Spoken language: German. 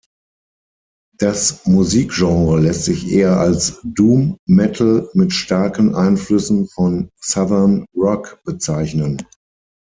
Das Musikgenre lässt sich eher als Doom-Metal mit starken Einflüssen von Southern Rock bezeichnen.